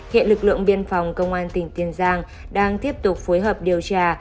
hiện lực lượng biên phòng công an tỉnh tiền giang đang tiếp tục phối hợp điều tra